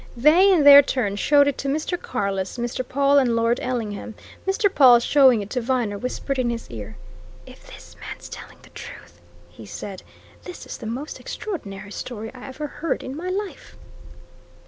They, in their turn, showed it to Mr. Carless, Mr. Pawle and Lord Ellingham, Mr. Pawle, showing it to Viner, whispered in his ear: "If this man's telling the truth," he said, "this is the most extraordinary story I ever heard in my life."